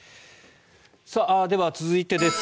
では、続いてです。